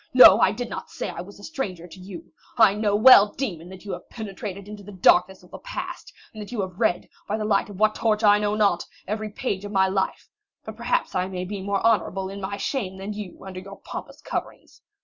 No, I did not say I was a stranger to you. I know well, demon, that you have penetrated into the darkness of the past, and that you have read, by the light of what torch I know not, every page of my life; but perhaps I may be more honorable in my shame than you under your pompous coverings.